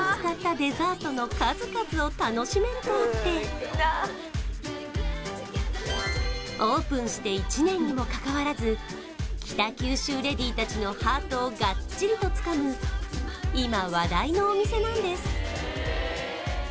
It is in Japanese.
デザートの数々を楽しめるとあってオープンして１年にもかかわらず北九州レディたちのハートをがっちりとつかむ今話題のお店なんです